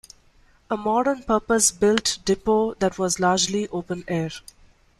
A modern purpose built depot that was largely open air.